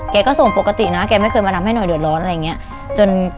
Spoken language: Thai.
ก็ส่งปกตินะแกไม่เคยมาทำให้หน่อยเดือดร้อนอะไรอย่างนี้